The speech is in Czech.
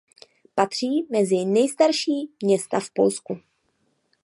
Patří mezi nejstarší města v Polsku.